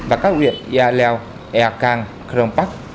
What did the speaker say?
và các huyện yaleo eakang krongpak